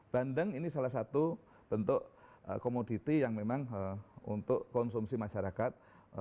bandeng ini salah satu bentuk komoditi yang memang untuk konsumsi masyarakat